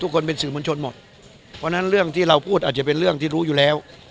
คนเป็นสื่อมวลชนหมดเพราะฉะนั้นเรื่องที่เราพูดอาจจะเป็นเรื่องที่รู้อยู่แล้ว